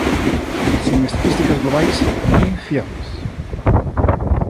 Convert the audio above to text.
Sen estatísticas globais nin fiables.